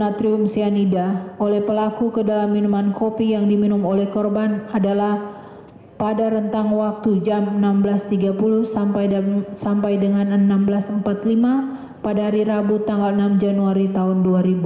natrium cyanida oleh pelaku ke dalam minuman kopi yang diminum oleh korban adalah pada rentang waktu jam enam belas tiga puluh sampai dengan enam belas empat puluh lima pada hari rabu tanggal enam januari tahun dua ribu dua puluh